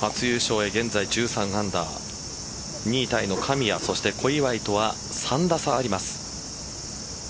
初優勝へ、現在１３アンダー２位タイの神谷そして小祝とは３打差あります。